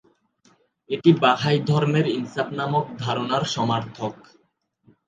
এটি বাহাই ধর্মের "ইনসাফ" নামক ধারণার সমার্থক।